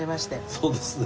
そうですね。